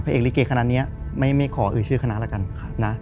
พระเอกริเกย์คณะนี้ไม่ขออื่นชื่อคณะแล้วกัน